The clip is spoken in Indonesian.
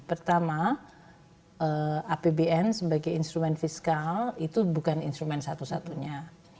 pertama apbn sebagai instrumen fiskal itu bukan instrumen satu satunya